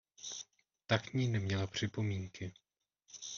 Ta k ní neměla připomínky.